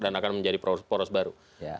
dan akan menjadi poros baru